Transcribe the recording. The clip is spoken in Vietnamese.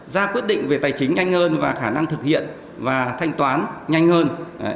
ra quyết định về tài chính nhanh hơn và khả năng thực hiện và thanh toán nhanh hơn